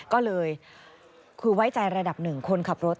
ก็เลยคือไว้ใจระดับหนึ่งคนขับรถ